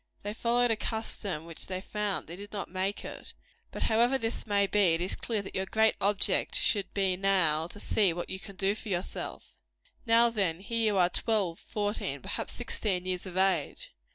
They followed a custom which they found; they did not make it. But however this may be, it is clear that your great object should now be, to see what you can do for yourself. Now, then, here you are, twelve, fourteen, perhaps sixteen years of age.